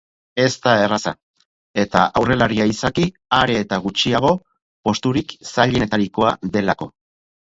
Ez da erraza eta aurrelaria izaki are eta gutxiago posturik zailenetarikoa delako.